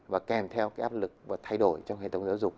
và kèm theo cái áp lực và thay đổi trong hệ thống giáo dục